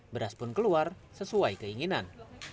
beras pun keluar sesuai keinginan